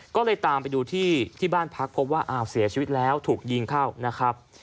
ก็เลยตามไปดูที่บ้านพักพบว่าอ้าวเสียชีวิตแล้วถูกยิงเข้านะครับ